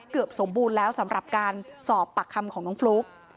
เกือบสมบูรณ์แล้วสำหรับการสอบปากคำของน้องฟลุ๊ก